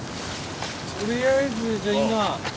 とりあえずじゃあ今。